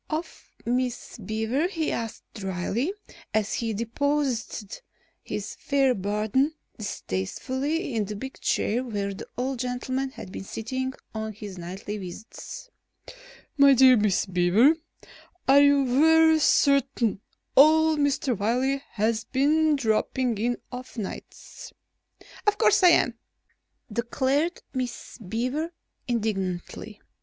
Of Miss Beaver he asked drily as he deposited his fair burden distastefully in the big chair where the old gentleman had been sitting on his nightly visits: "My dear Miss Beaver, are you very certain old Mr. Wiley has been dropping in of nights?" "Of course I am," declared Miss Beaver indignantly.